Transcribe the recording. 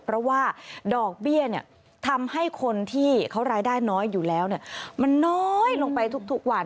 เพราะว่าดอกเบี้ยทำให้คนที่เขารายได้น้อยอยู่แล้วมันน้อยลงไปทุกวัน